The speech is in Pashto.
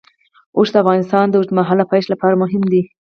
اوښ د افغانستان د اوږدمهاله پایښت لپاره مهم دی.